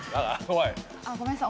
あっごめんなさい。